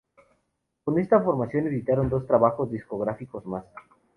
Con esta formación, editaron dos trabajos discográficos más.